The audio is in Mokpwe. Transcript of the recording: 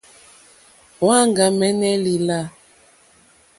Wàŋɡámɛ́nɛ́ lìlâ.